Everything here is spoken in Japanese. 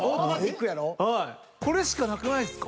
これしかなくないですか。